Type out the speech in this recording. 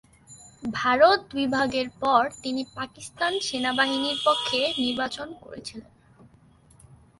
ভারত বিভাগের পর তিনি পাকিস্তান সেনাবাহিনীর পক্ষে নির্বাচন করেছিলেন।